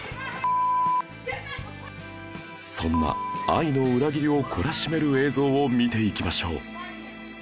そんな愛の裏切りを懲らしめる映像を見ていきましょう